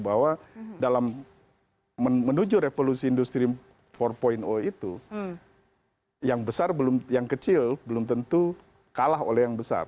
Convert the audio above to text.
bahwa dalam menuju revolusi industri empat itu yang besar belum yang kecil belum tentu kalah oleh yang besar